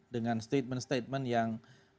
dengan statement statement yang